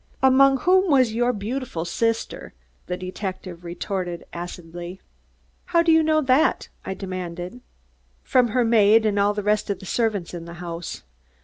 "Among whom was your beautiful sister," the detective retorted acidly. "How do you know that?" I demanded. "From her maid and all the rest of the servants in the house.